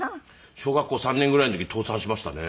小学校３年ぐらいの時倒産しましたね。